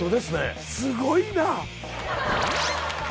すごいな。